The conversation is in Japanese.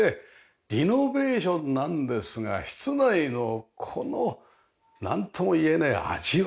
リノベーションなんですが室内のこのなんともいえない味わいですね。